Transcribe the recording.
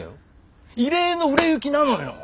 異例の売れ行きなのよ。